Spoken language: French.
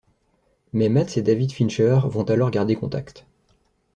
Mais Matz et David Fincher vont alors garder contact.